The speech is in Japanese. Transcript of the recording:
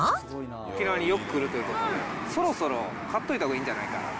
沖縄によく来るということで、そろそろ買っといたほうがいいんじゃないかなと。